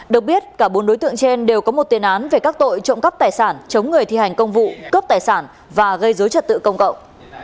được biết cả bốn đối tượng trên đều có một tiền án về các tội trộm cắp tài sản chống người thi hành công vụ cướp tài sản và gây dối trật tự công cộng